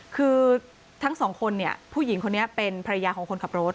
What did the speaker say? คือทั้ง๒คนนี้ผู้หญิงเป็นภรรยาของคนขับรถ